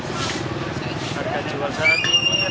harga jual saat ini